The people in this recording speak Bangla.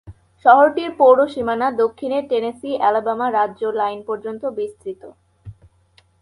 শহরটির পৌর সীমানা দক্ষিণে টেনেসি-আলাবামা রাজ্য লাইন পর্যন্ত বিস্তৃত।